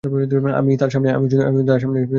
আমি তার সামনেই কথা বলব।